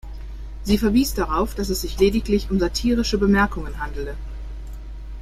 Sie verwies darauf, dass es sich lediglich um satirische Bemerkungen handele.